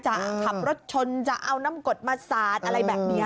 ขับรถชนจะเอาน้ำกดมาสาดอะไรแบบนี้